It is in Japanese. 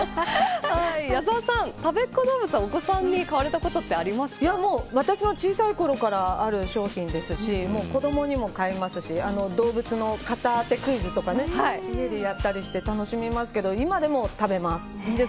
矢沢さん、たべっ子どうぶつはお子さんに買われたこと私の小さいころからある商品ですし子どもにも買いますし動物の型当てクイズとか家でやったりして楽しみますけど。